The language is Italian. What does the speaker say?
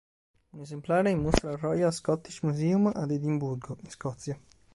Un esemplare è in mostra al Royal Scottish Museum ad Edimburgo in Scozia.